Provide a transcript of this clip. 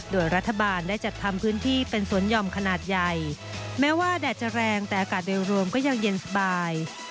โดยรัฐบาลได้จัดทำพื้นที่เป็นสวนหย่อมขนาดใหญ่แม้ว่าแดดจะแรงแต่อากาศโดยรวมก็ยังเย็นสบาย